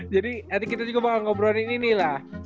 jadi nanti kita juga bakal ngobrolin ini lah